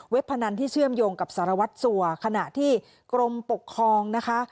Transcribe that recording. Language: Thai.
พนันที่เชื่อมโยงกับสารวัตรสัวขณะที่กรมปกครองนะคะ